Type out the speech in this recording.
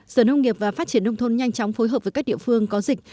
sở nông nghiệp và phát triển nông thôn nhanh chóng phối hợp với các địa phương có dịch